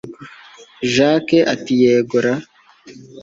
jack ati yego ra